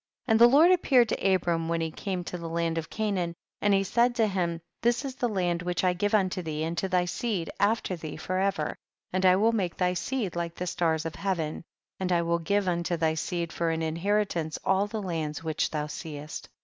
7. And the Lord appeared to Ab ram when he came to the land of Canaan, and said to him, this is the land which I gave unto thee and to thy seed after thee forever, and I will make tliy seed like the stars of hea ven, and I will give unto thy seed for an inheritance all the lands which thou seest.